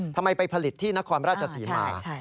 ทำไมไปผลิตที่นครราชศรีมา